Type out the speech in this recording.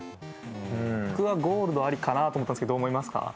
僕はゴールドありかなと思ったんですけどどう思います？